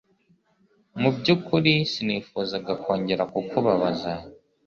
Mu byukuri sinifuzaga kongera kukubabaza